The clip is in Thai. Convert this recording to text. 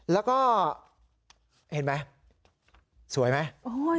แล้วก็เห็นไหมสวยไหม